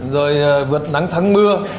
rồi vượt nắng thắng mưa